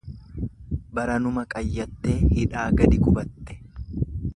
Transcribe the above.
Baranuma qayyattee hidhaa gadi gubatte.